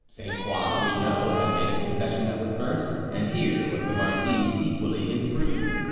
Sainte Croix, we know, had made a confession that was burnt, and here was the marquise equally imprudent.